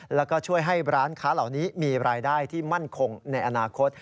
แล้วก็ช่วยให้ร้านค้าเหล่านี้มีรายได้ที่มั่นคงในอนาคต